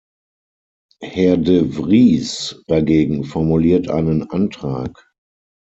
Herr de Vries dagegen formuliert einen Antrag.